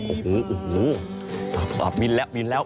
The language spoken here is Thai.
โอ้โฮสอบบินแล้วเอิญแล้ว